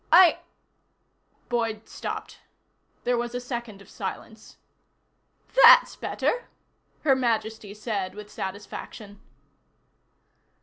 "I " Boyd stopped. There was a second of silence. "That's better," Her Majesty said with satisfaction.